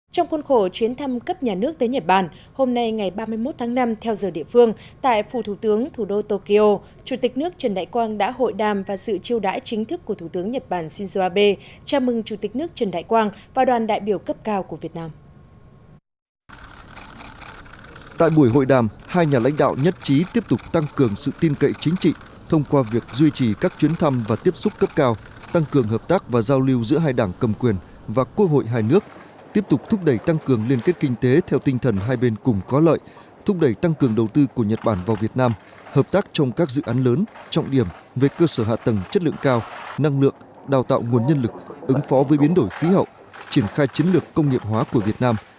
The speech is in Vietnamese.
trong khuôn khổ chuyến thăm cấp nhà nước tới nhật bản hôm nay ngày ba mươi một tháng năm theo giờ địa phương tại phủ thủ tướng thủ đô tokyo chủ tịch nước trần đại quang đã hội đàm và sự chiêu đãi chính thức của thủ tướng nhật bản shinzo abe chào mừng chủ tịch nước trần đại quang và đoàn đại biểu cấp cao của việt nam